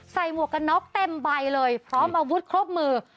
หมวกกันน็อกเต็มใบเลยพร้อมอาวุธครบมือ